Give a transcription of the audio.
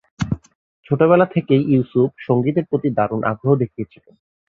ছোটবেলা থেকেই ইউসুফ সংগীতের প্রতি দারুণ আগ্রহ দেখিয়েছিলেন।